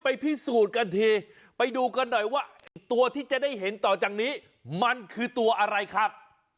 พิสูจน์กันทีไปดูกันหน่อยว่าไอ้ตัวที่จะได้เห็นต่อจากนี้มันคือตัวอะไรครับ